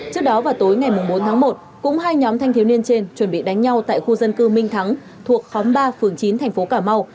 trước đó vào tối ngày bốn tháng một cũng hai nhóm thanh thiếu niên trên chuẩn bị đánh nhau tại khu dân cư minh thắng thuộc khóm ba phường chín thành phố cà mau